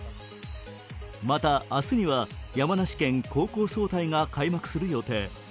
また、明日には、山梨県高校総体が開幕する予定。